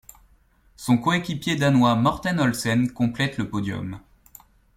Son coéquipier danois Morten Olsen complète le podium.